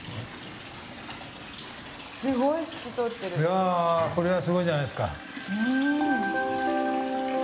いやこれはすごいんじゃないですか。